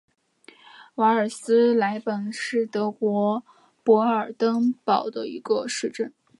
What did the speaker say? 瓦尔斯莱本是德国勃兰登堡州的一个市镇。